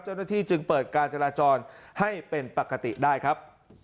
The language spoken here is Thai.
เจ้าหน้าที่จึงเปิดการจราจรให้เป็นปกติได้ครับ